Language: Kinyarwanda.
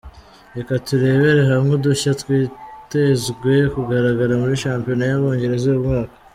Reka turebere hamwe udushya twitezwe kugaragara muri Shampiyona y’Abongereza uyu mwaka.